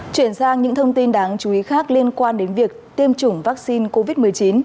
chuyển sang những thông tin đáng chú ý khác liên quan đến việc tiêm chủng vaccine covid một mươi chín